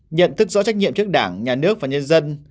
nhận thức rõ trách nhiệm trước đảng nhà nước và nhân dân